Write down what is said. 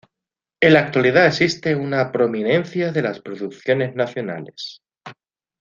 En la actualidad existe una prominencia de las producciones nacionales.